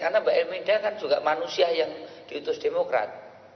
karena mbak imelda kan juga manusia yang diutus demokrat